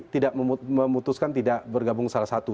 tidak memutuskan tidak bergabung salah satu